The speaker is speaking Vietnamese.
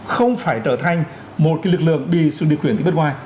không phải trở thành một lực lượng đi sự địa quyền từ bất ngoài